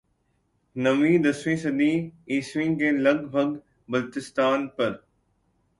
نویں دسویں صدی عیسوی کے لگ بھگ بلتستان پر